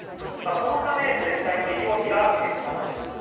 このため全体の医療費が減ったのです。